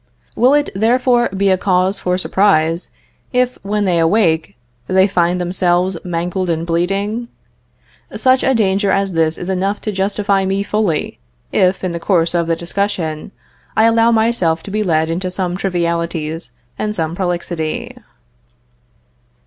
Will it, therefore, be a cause for surprise, if, when they awake, they find themselves mangled and bleeding? Such a danger as this is enough to justify me fully, if, in the course of the discussion, I allow myself to be led into some trivialities and some prolixity.